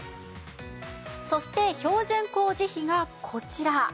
そして標準工事費がこちら。